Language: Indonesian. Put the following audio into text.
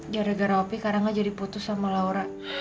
gara gara opi karangga jadi putus sama laura